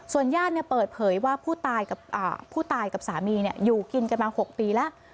ส่วนญาติเปิดเผยว่าผู้ตายกับสามีอยู่กินกันประมาณ๖ปีแล้ว